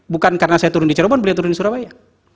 bukan karena saya turun di cirebon beliau turun di surabaya